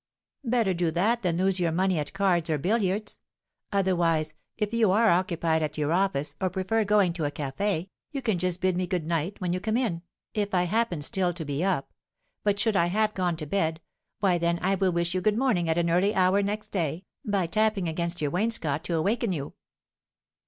Better do that than lose your money at cards or billiards; otherwise, if you are occupied at your office, or prefer going to a café, you can just bid me good night when you come in, if I happen still to be up; but should I have gone to bed, why then I will wish you good morning at an early hour next day, by tapping against your wainscot to awaken you.